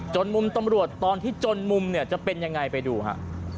มุมตำรวจตอนที่จนมุมเนี่ยจะเป็นยังไงไปดูฮะ